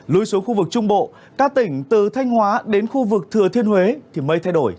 lui xuống khu vực trung bộ các tỉnh từ thanh hóa đến khu vực thừa thiên huế thì mây thay đổi